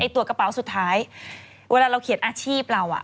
ตัวกระเป๋าสุดท้ายเวลาเราเขียนอาชีพเรา